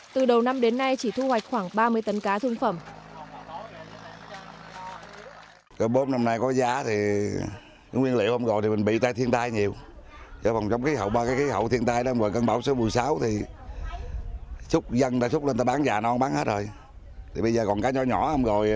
từ đầu năm đến nay chỉ thu hoạch khoảng ba mươi tấn cá thương phẩm